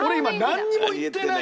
なんにも言ってない。